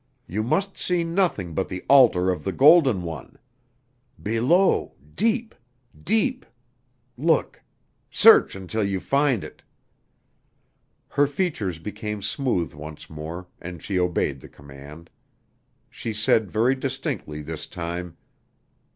You must see nothing but the altar of the Golden One. Below, deep, deep look, search until you find it." Her features became smooth once more and she obeyed the command. She said very distinctly this time.